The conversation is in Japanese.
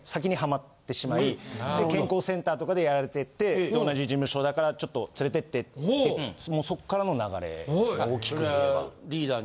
で健康センターとかでやられててで同じ事務所だからちょっと連れてってってもうそっからの流れです大きく言えば。